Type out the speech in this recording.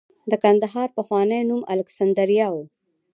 د کندهار پخوانی نوم الکسندریا و